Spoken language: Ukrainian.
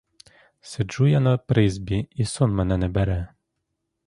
Сиджу я на призьбі, і сон мене не бере.